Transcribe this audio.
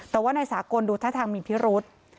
แต่ว่านายสากลดูท่าทางมีพิรุษ